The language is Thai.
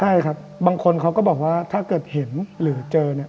ใช่ครับบางคนเขาก็บอกว่าถ้าเกิดเห็นหรือเจอเนี่ย